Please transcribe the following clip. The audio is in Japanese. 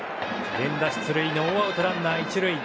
源田、出塁ノーアウトランナー、１塁。